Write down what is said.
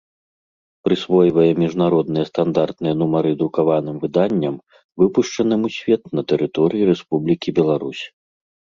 Прысвойвае мiжнародныя стандартныя нумары друкаваным выданням, выпушчаным у свет на тэрыторыi Рэспублiкi Беларусь.